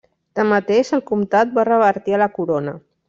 Tanmateix, el comtat va revertir a la corona.